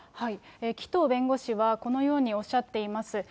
紀藤弁護士はこのようにおっしゃっています。